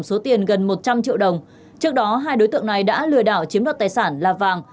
số tiền gần một trăm linh triệu đồng trước đó hai đối tượng này đã lừa đảo chiếm đoạt tài sản là vàng